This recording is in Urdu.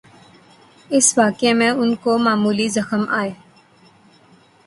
اس واقعے میں ان کو معمولی زخم آئے۔